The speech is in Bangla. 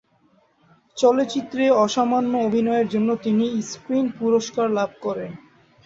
চলচ্চিত্রে অসামান্য অভিনয়ের জন্য তিনি স্ক্রিন পুরস্কার লাভ করেন।